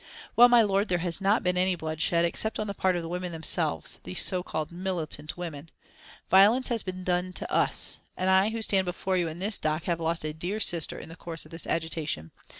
Well, my lord, there has not been any bloodshed except on the part of the women themselves these so called militant women. Violence has been done to us, and I who stand before you in this dock have lost a dear sister in the course of this agitation.